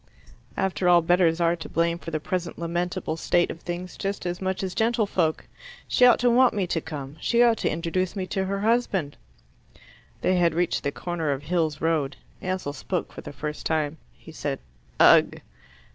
After all, bedders are to blame for the present lamentable state of things, just as much as gentlefolk. She ought to want me to come. She ought to introduce me to her husband." They had reached the corner of Hills Road. Ansell spoke for the first time. He said, "Ugh!"